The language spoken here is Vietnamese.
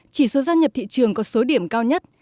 chỉ số gia nhập thị trường có số điểm cao nhất